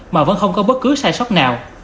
mà vẫn không có bất cứ sai sót nào